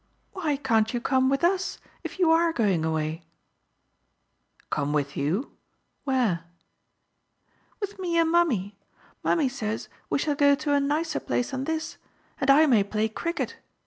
Why can't you come with us, if you are going away ?"" Come with you ? Where ?"" With me and Mummy. Mummy says we shall go to a nicer place than this. And I may play cricket.